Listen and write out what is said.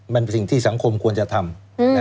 มันเป็นสิ่งที่สังคมควรจะทำ